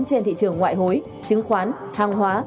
trên thị trường ngoại hối chứng khoán hàng hóa